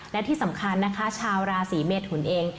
และที่สำคัญนะคะชาวราศีเมทุนเอง